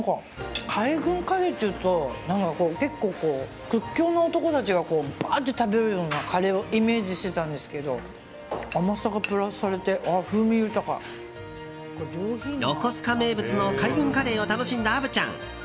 海軍カレーっていうと結構、屈強な男たちがバーって食べるようなカレーをイメージしてたんですけど横須賀名物の海軍カレーを楽しんだ虻ちゃん。